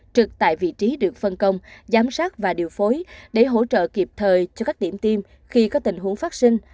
trực tại vị trí được phân công giám sát và điều phối để hỗ trợ kịp thời cho các điểm tiêm khi có tình huống phát sinh